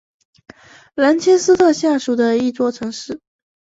兰切斯特下属的一座城市。